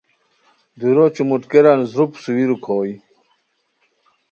دُورو چومو ٹکیران زروپ سوئیرو کھوئے